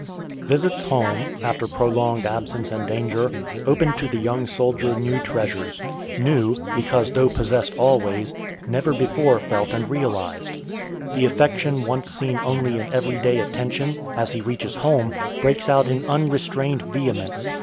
Visits home, after prolonged absence and danger, open to the young soldier new treasures new, because, though possessed always, never before felt and realized. The affection once seen only in every day attention, as he reaches home, breaks out in unrestrained vehemence.